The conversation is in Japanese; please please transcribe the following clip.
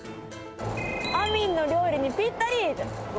アミンの料理にぴったり！って。